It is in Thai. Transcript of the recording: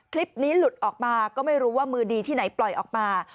คลิปนี้หลุดออกมาก็ไม่รู้ว่ามือดีที่ไหนปล่อยออกมา